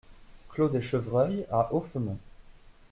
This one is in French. Clos des Chevreuils à Offemont